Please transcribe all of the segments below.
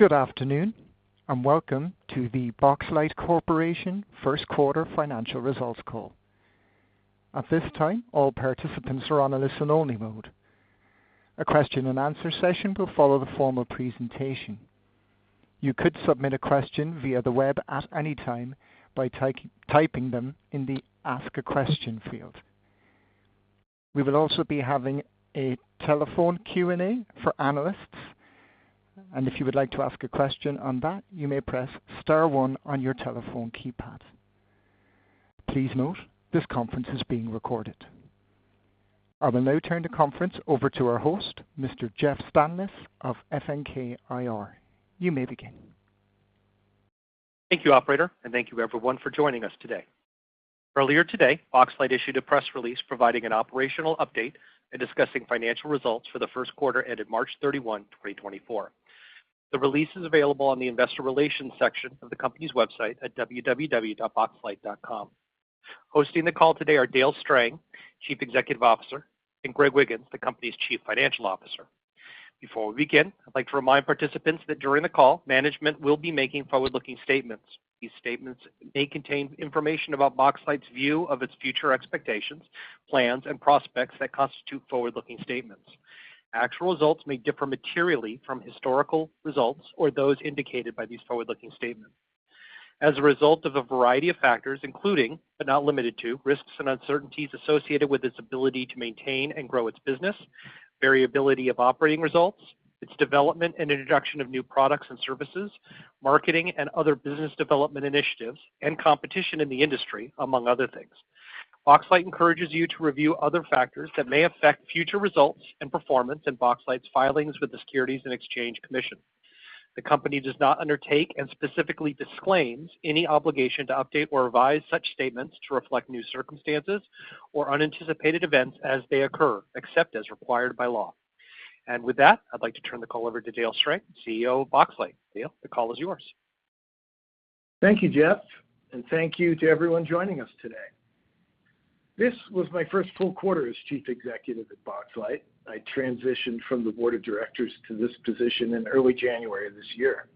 Good afternoon and welcome to the Boxlight Corporation first-quarter financial results call. At this time, all participants are on a listen-only mode. A question-and-answer session will follow the formal presentation. You could submit a question via the web at any time by typing them in the "Ask a Question" field. We will also be having a telephone Q&A for analysts, and if you would like to ask a question on that, you may press star one on your telephone keypad. Please note, this conference is being recorded. I will now turn the conference over to our host, Mr. Jeff Stanlis of FNK IR. You may begin. Thank you, operator, and thank you, everyone, for joining us today. Earlier today, Boxlight issued a press release providing an operational update and discussing financial results for the first quarter ended March 31, 2024. The release is available on the investor relations section of the company's website at www.boxlight.com. Hosting the call today are Dale Strang, Chief Executive Officer, and Greg Wiggins, the company's Chief Financial Officer. Before we begin, I'd like to remind participants that during the call, management will be making forward-looking statements. These statements may contain information about Boxlight's view of its future expectations, plans, and prospects that constitute forward-looking statements. Actual results may differ materially from historical results or those indicated by these forward-looking statements. As a result of a variety of factors, including but not limited to risks and uncertainties associated with its ability to maintain and grow its business, variability of operating results, its development and introduction of new products and services, marketing and other business development initiatives, and competition in the industry, among other things, Boxlight encourages you to review other factors that may affect future results and performance in Boxlight's filings with the Securities and Exchange Commission. The company does not undertake and specifically disclaims any obligation to update or revise such statements to reflect new circumstances or unanticipated events as they occur, except as required by law. With that, I'd like to turn the call over to Dale Strang, CEO of Boxlight. Dale, the call is yours. Thank you, Jeff, and thank you to everyone joining us today. This was my first full quarter as Chief Executive at Boxlight. I transitioned from the board of directors to this position in early January of this year.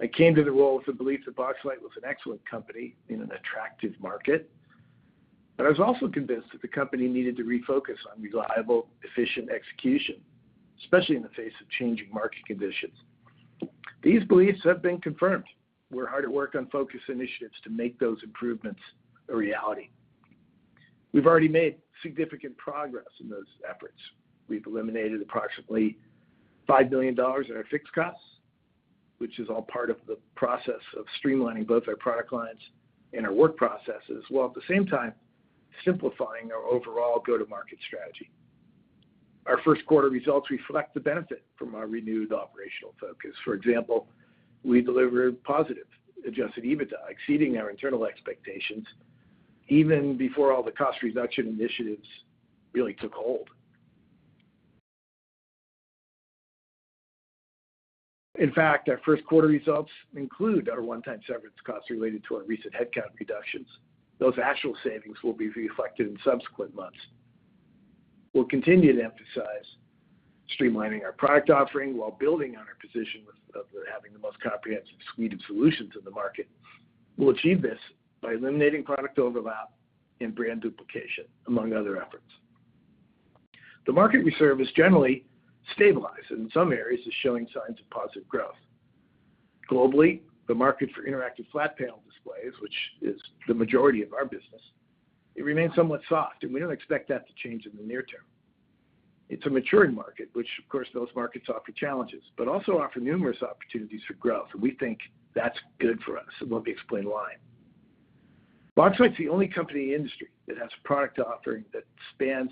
I came to the role with the belief that Boxlight was an excellent company in an attractive market, but I was also convinced that the company needed to refocus on reliable, efficient execution, especially in the face of changing market conditions. These beliefs have been confirmed. We're hard at work on focus initiatives to make those improvements a reality. We've already made significant progress in those efforts. We've eliminated approximately $5 million in our fixed costs, which is all part of the process of streamlining both our product lines and our work processes while at the same time simplifying our overall go-to-market strategy. Our first quarter results reflect the benefit from our renewed operational focus. For example, we delivered positive Adjusted EBITDA, exceeding our internal expectations even before all the cost reduction initiatives really took hold. In fact, our first quarter results include our one-time severance costs related to our recent headcount reductions. Those actual savings will be reflected in subsequent months. We'll continue to emphasize streamlining our product offering while building on our position of having the most comprehensive suite of solutions in the market. We'll achieve this by eliminating product overlap and brand duplication, among other efforts. The market we serve is generally stabilized and in some areas is showing signs of positive growth. Globally, the market for interactive flat panel displays, which is the majority of our business, it remains somewhat soft, and we don't expect that to change in the near term. It's a maturing market, which, of course, those markets offer challenges but also offer numerous opportunities for growth, and we think that's good for us, and we'll be explaining why. Boxlight's the only company in the industry that has a product offering that spans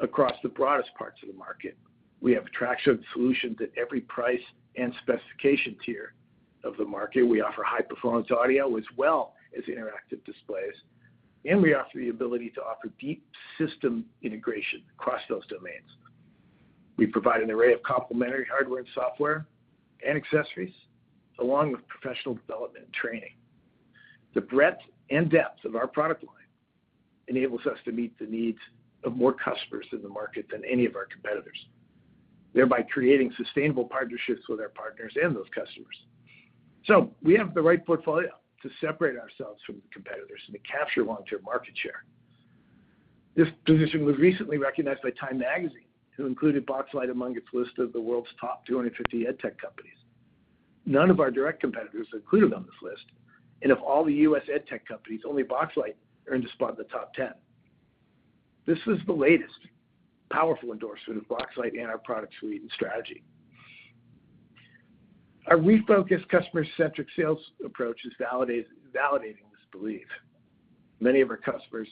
across the broadest parts of the market. We have a traction of solutions at every price and specification tier of the market. We offer high-performance audio as well as interactive displays, and we offer the ability to offer deep system integration across those domains. We provide an array of complementary hardware and software and accessories along with professional development and training. The breadth and depth of our product line enables us to meet the needs of more customers in the market than any of our competitors, thereby creating sustainable partnerships with our partners and those customers. So we have the right portfolio to separate ourselves from the competitors and to capture long-term market share. This position was recently recognized by Time magazine, who included Boxlight among its list of the world's top 250 edtech companies. None of our direct competitors are included on this list, and of all the U.S. edtech companies, only Boxlight earned a spot in the top 10. This was the latest powerful endorsement of Boxlight and our product suite and strategy. Our refocused, customer-centric sales approach is validating this belief. Many of our customers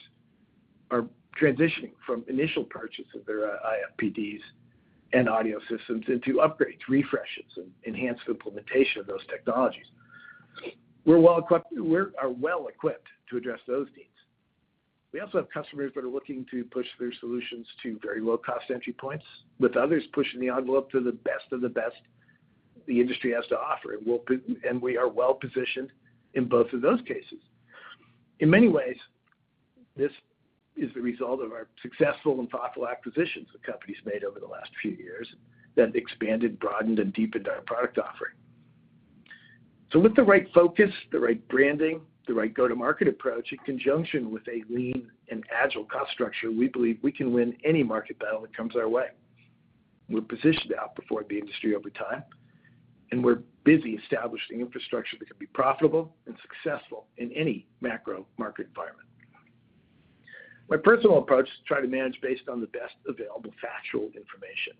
are transitioning from initial purchase of their IFPDs and audio systems into upgrades, refreshes, and enhanced implementation of those technologies. We're well equipped to address those needs. We also have customers that are looking to push their solutions to very low-cost entry points with others pushing the envelope to the best of the best the industry has to offer, and we are well positioned in both of those cases. In many ways, this is the result of our successful and thoughtful acquisitions the company's made over the last few years that expanded, broadened, and deepened our product offering. So with the right focus, the right branding, the right go-to-market approach, in conjunction with a lean and agile cost structure, we believe we can win any market battle that comes our way. We're positioned to outperform the industry over time, and we're busy establishing infrastructure that can be profitable and successful in any macro market environment. My personal approach is to try to manage based on the best available factual information.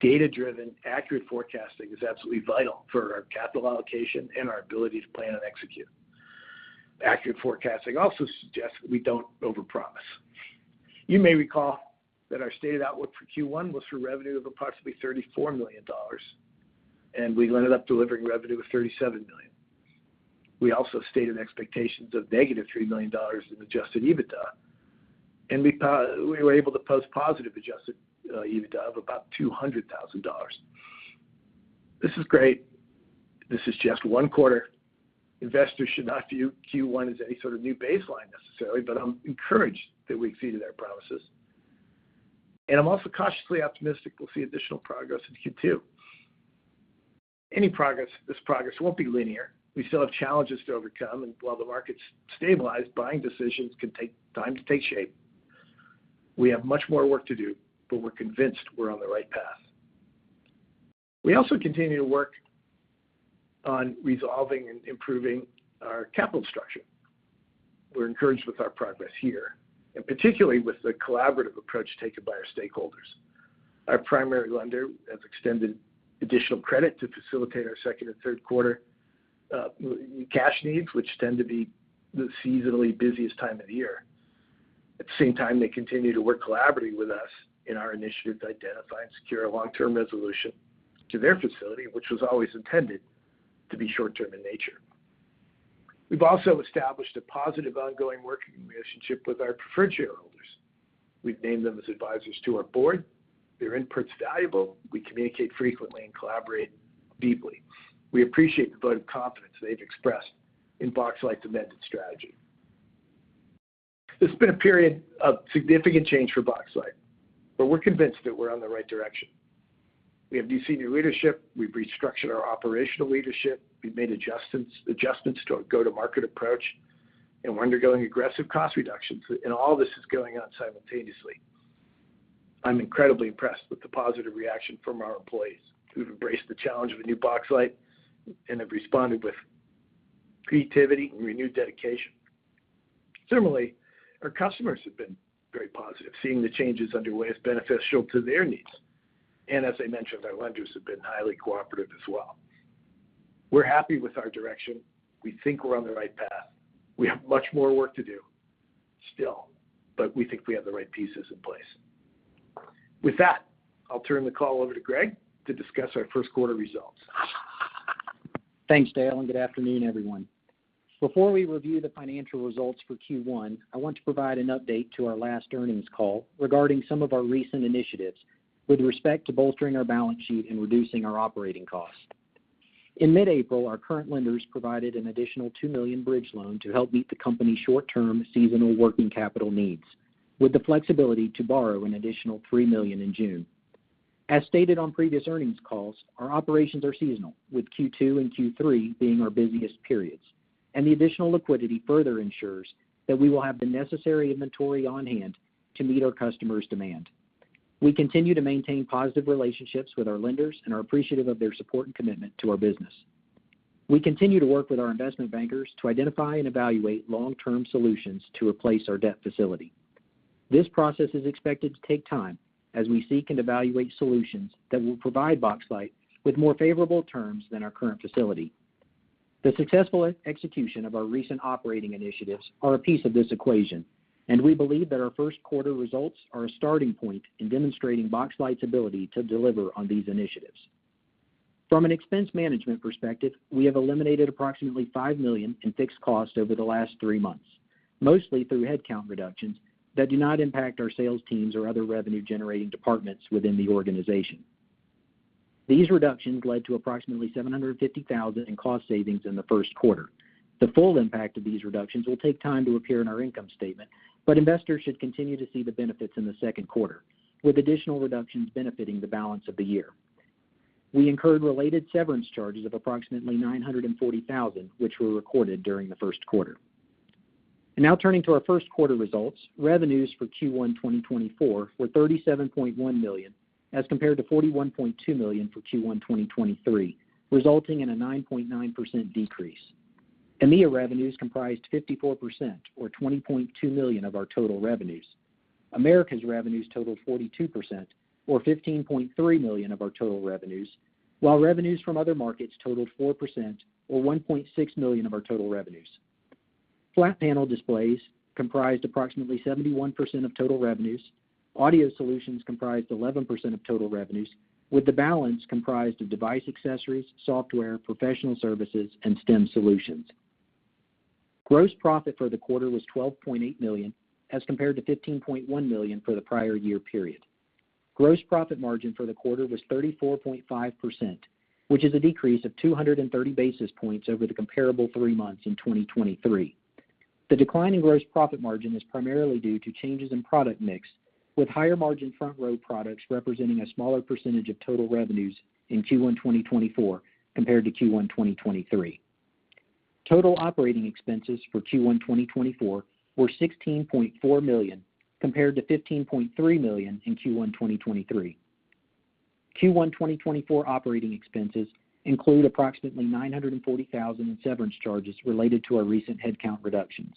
Data-driven, accurate forecasting is absolutely vital for our capital allocation and our ability to plan and execute. Accurate forecasting also suggests that we don't overpromise. You may recall that our stated outlook for Q1 was for revenue of approximately $34 million, and we ended up delivering revenue of $37 million. We also stated expectations of negative $3 million in Adjusted EBITDA, and we were able to post positive Adjusted EBITDA of about $200,000. This is great. This is just one quarter. Investors should not view Q1 as any sort of new baseline necessarily, but I'm encouraged that we exceeded our promises. I'm also cautiously optimistic we'll see additional progress in Q2. This progress won't be linear. We still have challenges to overcome, and while the market's stabilized, buying decisions can take time to take shape. We have much more work to do, but we're convinced we're on the right path. We also continue to work on resolving and improving our capital structure. We're encouraged with our progress here, and particularly with the collaborative approach taken by our stakeholders. Our primary lender has extended additional credit to facilitate our second and third quarter cash needs, which tend to be the seasonally busiest time of the year. At the same time, they continue to work collaboratively with us in our initiative to identify and secure a long-term resolution to their facility, which was always intended to be short-term in nature. We've also established a positive ongoing working relationship with our preferred shareholders. We've named them as advisors to our board. Their input's valuable. We communicate frequently and collaborate deeply. We appreciate the vote of confidence they've expressed in Boxlight's amended strategy. There's been a period of significant change for Boxlight, but we're convinced that we're on the right direction. We have new senior leadership. We've restructured our operational leadership. We've made adjustments to our go-to-market approach and we're undergoing aggressive cost reductions, and all this is going on simultaneously. I'm incredibly impressed with the positive reaction from our employees who've embraced the challenge of a new Boxlight and have responded with creativity and renewed dedication. Similarly, our customers have been very positive, seeing the changes underway as beneficial to their needs. As I mentioned, our lenders have been highly cooperative as well. We're happy with our direction. We think we're on the right path. We have much more work to do still, but we think we have the right pieces in place. With that, I'll turn the call over to Greg to discuss our first quarter results. Thanks, Dale, and good afternoon, everyone. Before we review the financial results for Q1, I want to provide an update to our last earnings call regarding some of our recent initiatives with respect to bolstering our balance sheet and reducing our operating costs. In mid-April, our current lenders provided an additional $2 million bridge loan to help meet the company's short-term seasonal working capital needs with the flexibility to borrow an additional $3 million in June. As stated on previous earnings calls, our operations are seasonal, with Q2 and Q3 being our busiest periods, and the additional liquidity further ensures that we will have the necessary inventory on hand to meet our customers' demand. We continue to maintain positive relationships with our lenders and are appreciative of their support and commitment to our business. We continue to work with our investment bankers to identify and evaluate long-term solutions to replace our debt facility. This process is expected to take time as we seek and evaluate solutions that will provide Boxlight with more favorable terms than our current facility. The successful execution of our recent operating initiatives is a piece of this equation, and we believe that our first quarter results are a starting point in demonstrating Boxlight's ability to deliver on these initiatives. From an expense management perspective, we have eliminated approximately $5 million in fixed costs over the last three months, mostly through headcount reductions that do not impact our sales teams or other revenue-generating departments within the organization. These reductions led to approximately $750,000 in cost savings in the first quarter. The full impact of these reductions will take time to appear in our income statement, but investors should continue to see the benefits in the second quarter, with additional reductions benefiting the balance of the year. We incurred related severance charges of approximately $940,000, which were recorded during the first quarter. And now turning to our first quarter results, revenues for Q1 2024 were $37.1 million as compared to $41.2 million for Q1 2023, resulting in a 9.9% decrease. EMEA revenues comprised 54% or $20.2 million of our total revenues. Americas revenues totaled 42% or $15.3 million of our total revenues, while revenues from other markets totaled 4% or $1.6 million of our total revenues. Flat panel displays comprised approximately 71% of total revenues. Audio solutions comprised 11% of total revenues, with the balance comprised of device accessories, software, professional services, and STEM solutions. Gross profit for the quarter was $12.8 million as compared to $15.1 million for the prior year period. Gross profit margin for the quarter was 34.5%, which is a decrease of 230 basis points over the comparable three months in 2023. The decline in gross profit margin is primarily due to changes in product mix, with higher margin FrontRow products representing a smaller percentage of total revenues in Q1 2024 compared to Q1 2023. Total operating expenses for Q1 2024 were $16.4 million compared to $15.3 million in Q1 2023. Q1 2024 operating expenses include approximately $940,000 in severance charges related to our recent headcount reductions.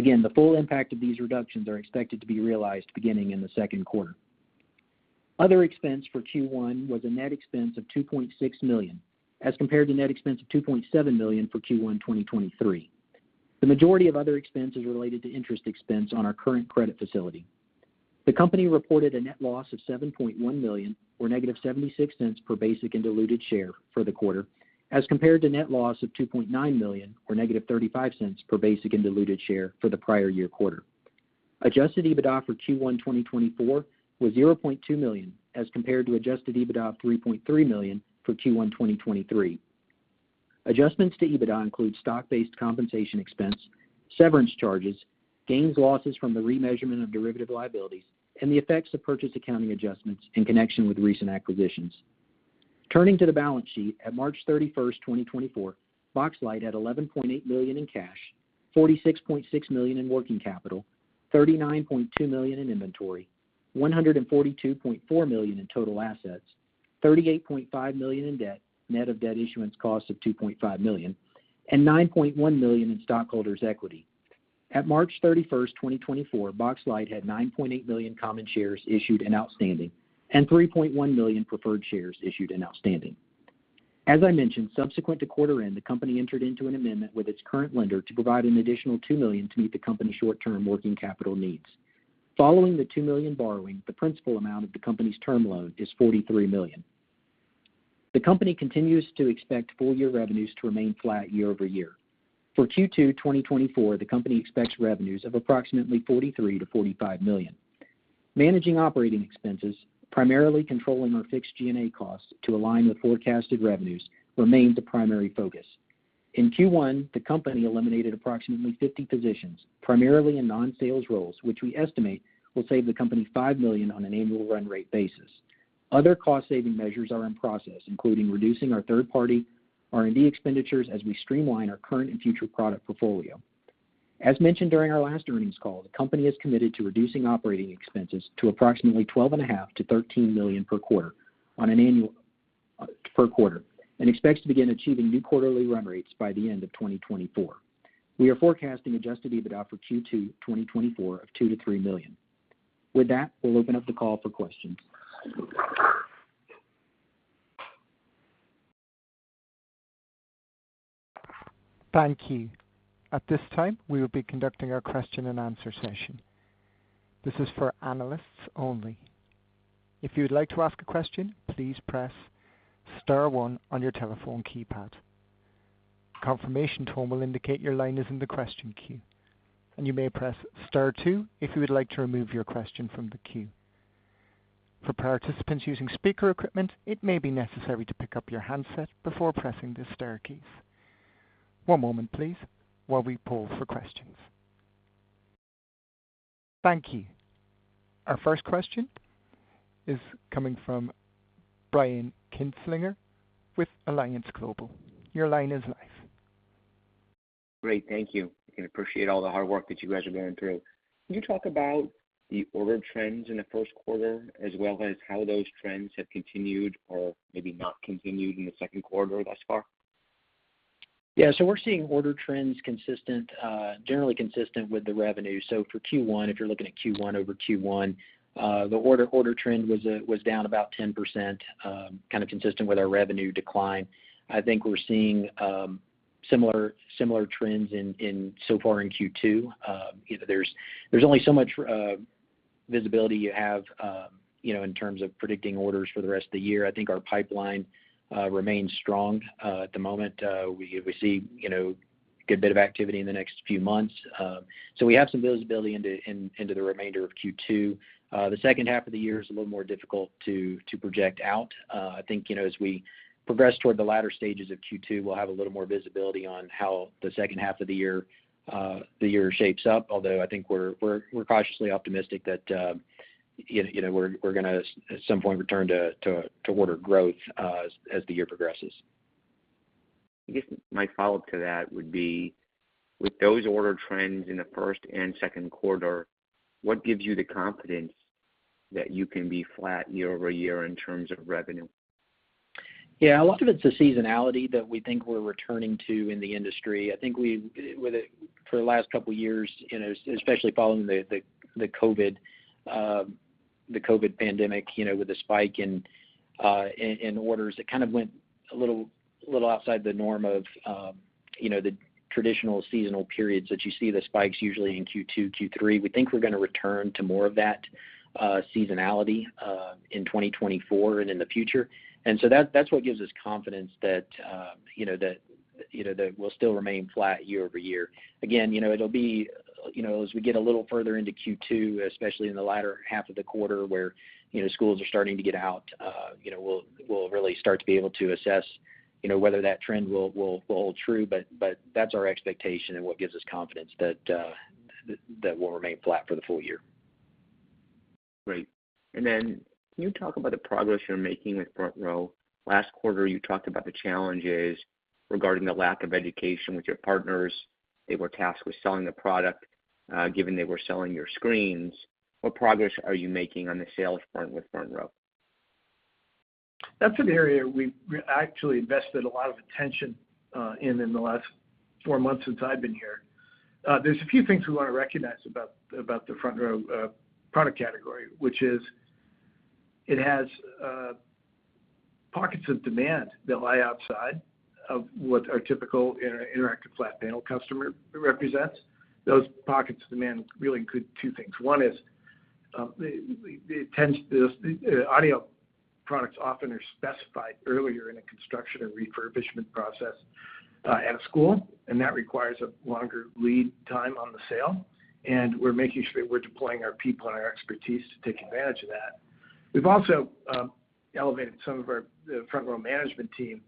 Again, the full impact of these reductions is expected to be realized beginning in the second quarter. Other expense for Q1 was a net expense of $2.6 million as compared to net expense of $2.7 million for Q1 2023. The majority of other expenses related to interest expense on our current credit facility. The company reported a net loss of $7.1 million or negative $0.76 per basic and diluted share for the quarter as compared to net loss of $2.9 million or negative $0.35 per basic and diluted share for the prior year quarter. Adjusted EBITDA for Q1 2024 was $0.2 million as compared to adjusted EBITDA of $3.3 million for Q1 2023. Adjustments to EBITDA include stock-based compensation expense, severance charges, gains/losses from the remeasurement of derivative liabilities, and the effects of purchase accounting adjustments in connection with recent acquisitions. Turning to the balance sheet, at March 31st, 2024, Boxlight had $11.8 million in cash, $46.6 million in working capital, $39.2 million in inventory, $142.4 million in total assets, $38.5 million in debt net of debt issuance costs of $2.5 million, and $9.1 million in stockholders' equity. At March 31st, 2024, Boxlight had 9.8 million common shares issued and outstanding and 3.1 million preferred shares issued and outstanding. As I mentioned, subsequent to quarter end, the company entered into an amendment with its current lender to provide an additional $2 million to meet the company's short-term working capital needs. Following the $2 million borrowing, the principal amount of the company's term loan is $43 million. The company continues to expect full-year revenues to remain flat year-over-year. For Q2 2024, the company expects revenues of approximately $43 million-$45 million. Managing operating expenses, primarily controlling our fixed G&A costs to align with forecasted revenues, remains the primary focus. In Q1, the company eliminated approximately 50 positions, primarily in non-sales roles, which we estimate will save the company $5 million on an annual run-rate basis. Other cost-saving measures are in process, including reducing our third-party R&D expenditures as we streamline our current and future product portfolio. As mentioned during our last earnings call, the company is committed to reducing operating expenses to approximately $12.5 million-$13 million per quarter on an annual per quarter and expects to begin achieving new quarterly run rates by the end of 2024. We are forecasting Adjusted EBITDA for Q2 2024 of $2 million-$3 million. With that, we'll open up the call for questions. Thank you. At this time, we will be conducting our question-and-answer session. This is for analysts only. If you would like to ask a question, please press star 1 on your telephone keypad. Confirmation tone will indicate your line is in the question queue, and you may press star 2 if you would like to remove your question from the queue. For participants using speaker equipment, it may be necessary to pick up your handset before pressing the star key. One moment, please, while we poll for questions. Thank you. Our first question is coming from Brian Kinstlinger with Alliance Global. Your line is live. Great. Thank you. I can appreciate all the hard work that you guys are going through. Can you talk about the order trends in the first quarter as well as how those trends have continued or maybe not continued in the second quarter thus far? Yeah. So we're seeing order trends generally consistent with the revenue. So for Q1, if you're looking at Q1 over Q1, the order trend was down about 10%, kind of consistent with our revenue decline. I think we're seeing similar trends so far in Q2. There's only so much visibility you have in terms of predicting orders for the rest of the year. I think our pipeline remains strong at the moment. We see a good bit of activity in the next few months. So we have some visibility into the remainder of Q2. The second half of the year is a little more difficult to project out. I think as we progress toward the latter stages of Q2, we'll have a little more visibility on how the second half of the year shapes up, although I think we're cautiously optimistic that we're going to, at some point, return to order growth as the year progresses. I guess my follow-up to that would be, with those order trends in the first and second quarter, what gives you the confidence that you can be flat year-over-year in terms of revenue? Yeah. A lot of it's the seasonality that we think we're returning to in the industry. I think for the last couple of years, especially following the COVID pandemic, with the spike in orders, it kind of went a little outside the norm of the traditional seasonal periods that you see the spikes usually in Q2, Q3. We think we're going to return to more of that seasonality in 2024 and in the future. And so that's what gives us confidence that we'll still remain flat year-over-year. Again, it'll be as we get a little further into Q2, especially in the latter half of the quarter where schools are starting to get out, we'll really start to be able to assess whether that trend will hold true. But that's our expectation and what gives us confidence that we'll remain flat for the full year. Great. And then can you talk about the progress you're making with FrontRow? Last quarter, you talked about the challenges regarding the lack of education with your partners. They were tasked with selling the product given they were selling your screens. What progress are you making on the sales front with FrontRow? That's an area we've actually invested a lot of attention in in the last four months since I've been here. There's a few things we want to recognize about the FrontRow product category, which is it has pockets of demand that lie outside of what our typical interactive flat panel customer represents. Those pockets of demand really include two things. One is the audio products often are specified earlier in a construction and refurbishment process at a school, and that requires a longer lead time on the sale. And we're making sure that we're deploying our people and our expertise to take advantage of that. We've also elevated some of our FrontRow management team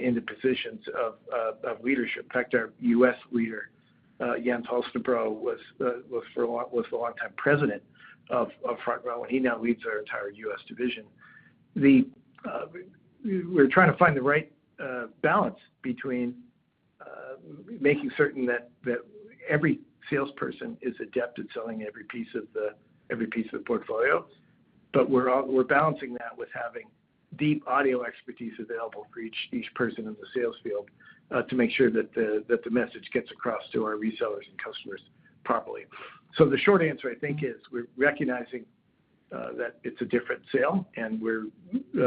into positions of leadership. In fact, our US leader, Jens Holstebro, was the long-time President of FrontRow, and he now leads our entire U.S. division. We're trying to find the right balance between making certain that every salesperson is adept at selling every piece of the portfolio, but we're balancing that with having deep audio expertise available for each person in the sales field to make sure that the message gets across to our resellers and customers properly. So the short answer, I think, is we're recognizing that it's a different sale, and we're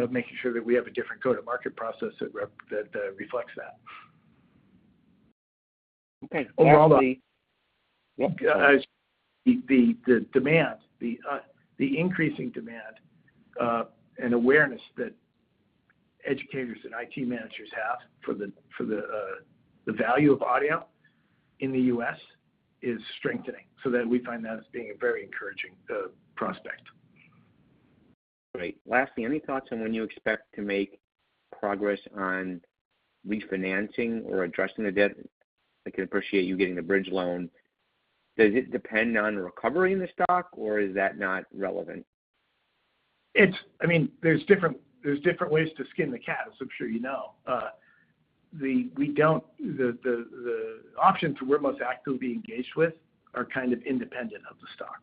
making sure that we have a different go-to-market process that reflects that. Okay. Overall, the. Yep. The demand, the increasing demand and awareness that educators and IT managers have for the value of audio in the U.S. is strengthening, so that we find that as being a very encouraging prospect. Great. Lastly, any thoughts on when you expect to make progress on refinancing or addressing the debt? I can appreciate you getting the bridge loan. Does it depend on recovering the stock, or is that not relevant? I mean, there's different ways to skin the cat, as I'm sure you know. We don't. The options that we're most actively engaged with are kind of independent of the stock.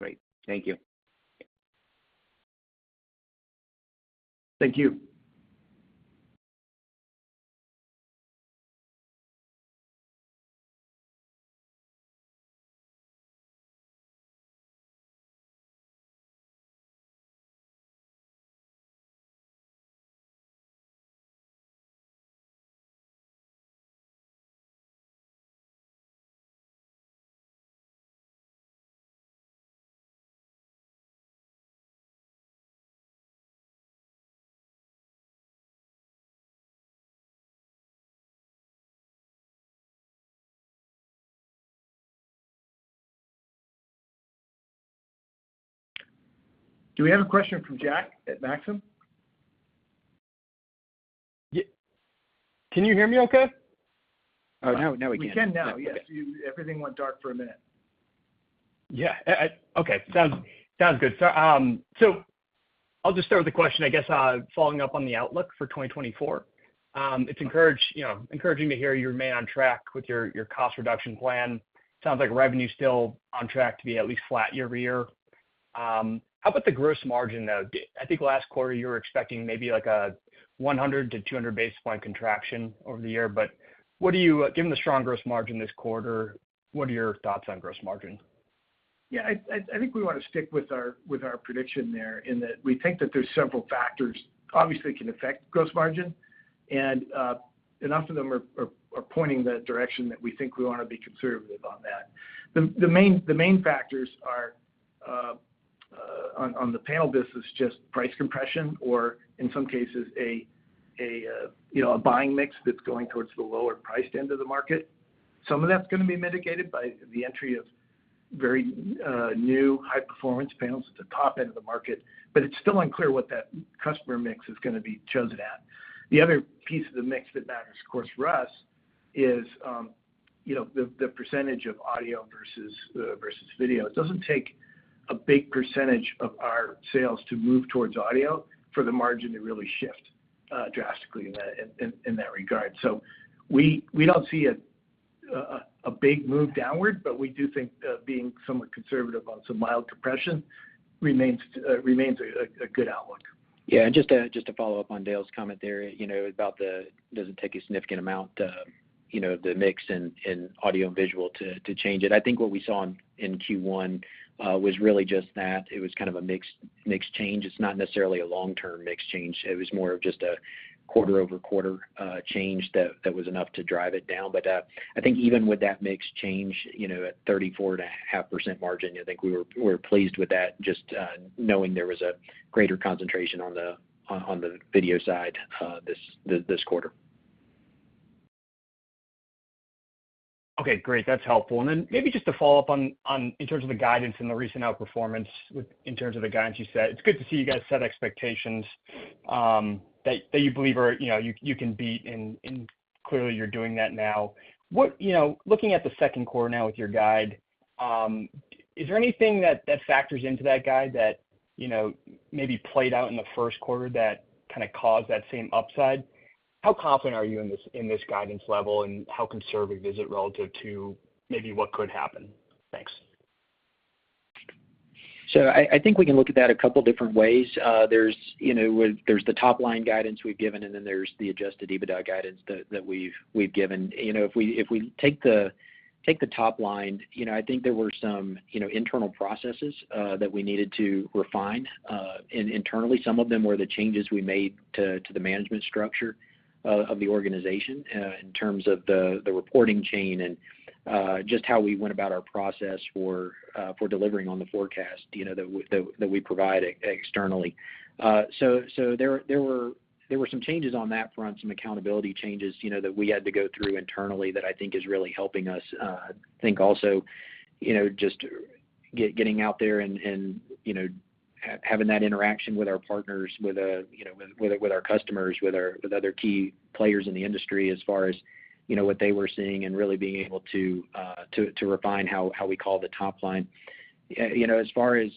Great. Thank you. Thank you. Do we have a question from Jack at Maxim? Can you hear me okay? Oh, no. Now we can. We can now. Yes. Everything went dark for a minute. Yeah. Okay. Sounds good. So I'll just start with a question, I guess, following up on the outlook for 2024. It's encouraging to hear you remain on track with your cost reduction plan. Sounds like revenue is still on track to be at least flat year-over-year. How about the gross margin, though? I think last quarter, you were expecting maybe a 100-200 basis points contraction over the year. But given the strong gross margin this quarter, what are your thoughts on gross margin? Yeah. I think we want to stick with our prediction there in that we think that there's several factors, obviously, that can affect gross margin, and enough of them are pointing in that direction that we think we want to be conservative on that. The main factors on the panel business are just price compression or, in some cases, a buying mix that's going towards the lower priced end of the market. Some of that's going to be mitigated by the entry of very new high-performance panels at the top end of the market, but it's still unclear what that customer mix is going to be chosen at. The other piece of the mix that matters, of course, for us is the percentage of audio versus video. It doesn't take a big percentage of our sales to move towards audio for the margin to really shift drastically in that regard. We don't see a big move downward, but we do think being somewhat conservative on some mild compression remains a good outlook. Yeah. And just to follow up on Dale's comment there about that. It doesn't take a significant amount of the mix in audio and visual to change it. I think what we saw in Q1 was really just that. It was kind of a mixed change. It's not necessarily a long-term mixed change. It was more of just a quarter-over-quarter change that was enough to drive it down. But I think even with that mixed change at 34.5% margin, I think we were pleased with that just knowing there was a greater concentration on the video side this quarter. Okay. Great. That's helpful. And then maybe just to follow up in terms of the guidance and the recent outperformance in terms of the guidance you set, it's good to see you guys set expectations that you believe you can beat, and clearly, you're doing that now. Looking at the second quarter now with your guide, is there anything that factors into that guide that maybe played out in the first quarter that kind of caused that same upside? How confident are you in this guidance level, and how conservative is it relative to maybe what could happen? Thanks. So I think we can look at that a couple of different ways. There's the top-line guidance we've given, and then there's the Adjusted EBITDA guidance that we've given. If we take the top line, I think there were some internal processes that we needed to refine internally. Some of them were the changes we made to the management structure of the organization in terms of the reporting chain and just how we went about our process for delivering on the forecast that we provide externally. So there were some changes on that front, some accountability changes that we had to go through internally that I think is really helping us think also, just getting out there and having that interaction with our partners, with our customers, with other key players in the industry as far as what they were seeing and really being able to refine how we call the top line. As far as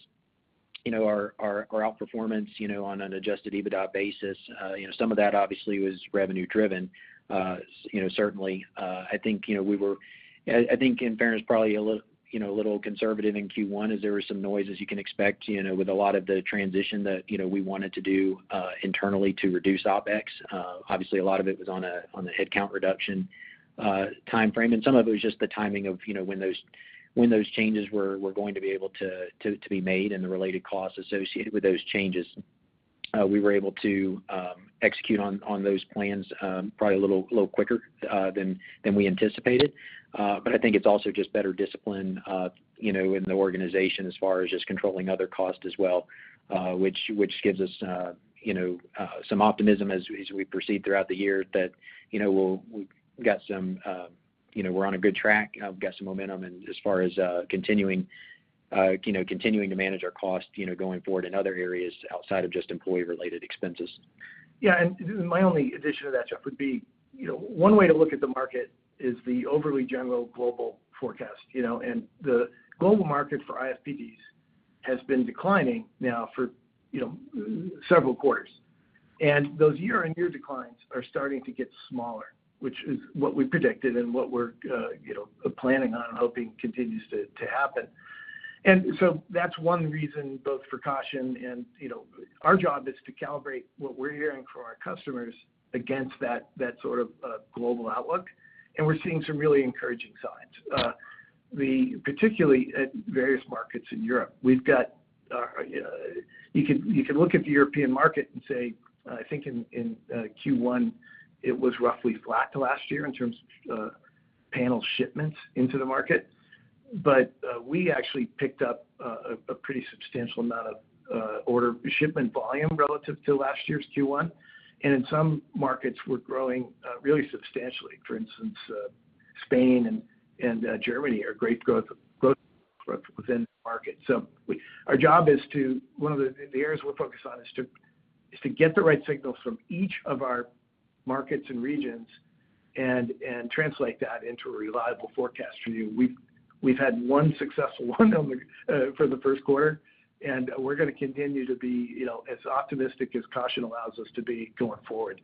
our outperformance on an Adjusted EBITDA basis, some of that, obviously, was revenue-driven, certainly. I think, in fairness, probably a little conservative in Q1 as there were some noises you can expect, with a lot of the transition that we wanted to do internally to reduce OpEx. Obviously, a lot of it was on the headcount reduction timeframe, and some of it was just the timing of when those changes were going to be able to be made and the related costs associated with those changes. We were able to execute on those plans probably a little quicker than we anticipated. But I think it's also just better discipline in the organization as far as just controlling other costs as well, which gives us some optimism as we proceed throughout the year that we've got some, we're on a good track. We've got some momentum as far as continuing to manage our costs going forward in other areas outside of just employee-related expenses. Yeah. And my only addition to that, Jeff, would be one way to look at the market is the overly general global forecast. And the global market for IFPDs has been declining now for several quarters. And those year-on-year declines are starting to get smaller, which is what we predicted and what we're planning on and hoping continues to happen. And so that's one reason, both for caution and our job is to calibrate what we're hearing from our customers against that sort of global outlook. And we're seeing some really encouraging signs, particularly at various markets in Europe. We've got you could look at the European market and say, "I think in Q1, it was roughly flat to last year in terms of panel shipments into the market." But we actually picked up a pretty substantial amount of shipment volume relative to last year's Q1. And in some markets, we're growing really substantially. For instance, Spain and Germany are great growth within the market. So our job is to one of the areas we're focused on is to get the right signals from each of our markets and regions and translate that into a reliable forecast for you. We've had one successful one for the first quarter, and we're going to continue to be as optimistic as caution allows us to be going forward.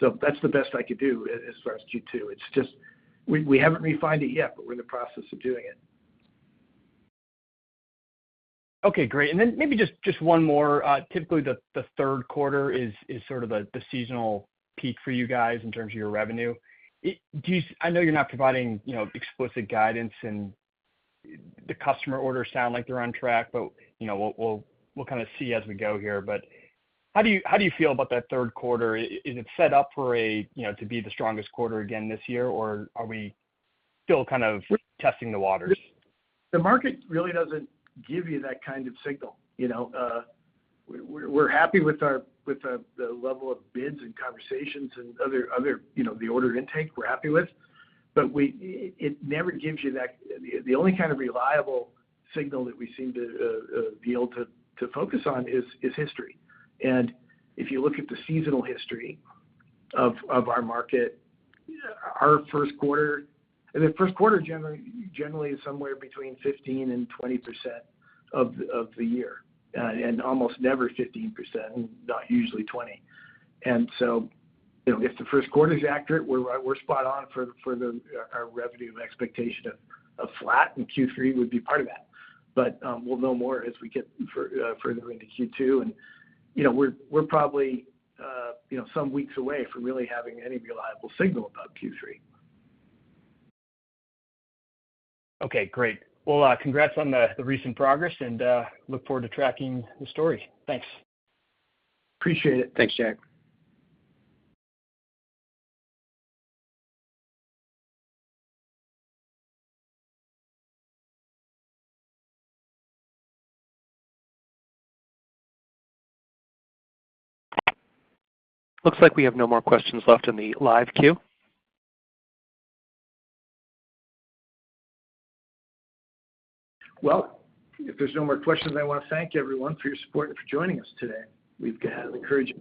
So that's the best I could do as far as Q2. We haven't refined it yet, but we're in the process of doing it. Okay. Great. And then maybe just one more. Typically, the third quarter is sort of the seasonal peak for you guys in terms of your revenue. I know you're not providing explicit guidance, and the customer orders sound like they're on track, but we'll kind of see as we go here. But how do you feel about that third quarter? Is it set up to be the strongest quarter again this year, or are we still kind of testing the waters? The market really doesn't give you that kind of signal. We're happy with the level of bids and conversations and the order intake we're happy with, but it never gives you that the only kind of reliable signal that we seem to be able to focus on is history. And if you look at the seasonal history of our market, our first quarter I mean, the first quarter, generally, is somewhere between 15%-20% of the year and almost never 15%, not usually 20%. And so if the first quarter is accurate, we're spot on for our revenue expectation of flat, and Q3 would be part of that. But we'll know more as we get further into Q2. And we're probably some weeks away from really having any reliable signal about Q3. Okay. Great. Well, congrats on the recent progress, and look forward to tracking the story. Thanks. Appreciate it. Thanks, Jack. Looks like we have no more questions left in the live queue. Well, if there's no more questions, I want to thank everyone for your support and for joining us today. We've had an encouraging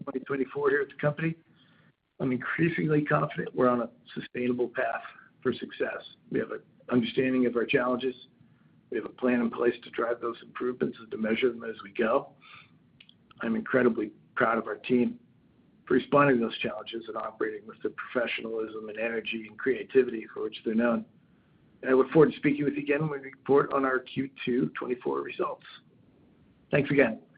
2024 here at the company. I'm increasingly confident we're on a sustainable path for success. We have an understanding of our challenges. We have a plan in place to drive those improvements and to measure them as we go. I'm incredibly proud of our team for responding to those challenges and operating with the professionalism and energy and creativity for which they're known. And I look forward to speaking with you again when we report on our Q2 2024 results. Thanks again.